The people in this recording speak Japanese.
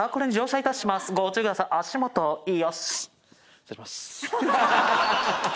失礼します。